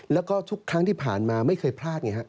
แล้วก็ทุกครั้งที่ผ่านมาไม่เคยพลาดไงฮะ